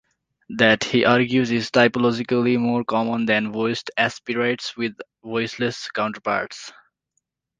That, he argues, is typologically more common than voiced aspirates without voiceless counterparts.